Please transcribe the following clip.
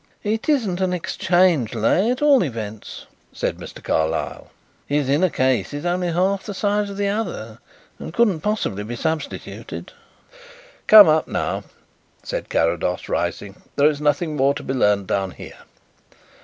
"It isn't an exchange lay, at all events," said Mr. Carlyle. "His inner case is only half the size of the other and couldn't possibly be substituted." "Come up now," said Carrados, rising. "There is nothing more to be learned down here."